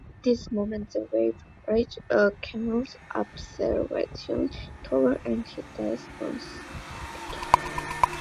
At this moment the Wave reaches Camill's observation tower and he dies once again.